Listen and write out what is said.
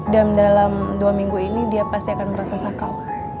dan dalam dua minggu ini dia pasti akan merasa sakal